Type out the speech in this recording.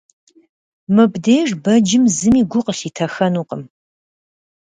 Мыбдеж бэджым зыми гу къылъитэхэнукъым.